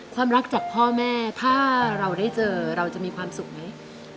ความรักจากพ่อแม่ถ้าเราได้เจอเราจะมีความสุขไหม